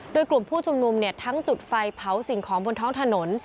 โดยกลุ่มผู้ชุมนุมทั้งจุดไฟเผาสิ่งของบนท้องถนน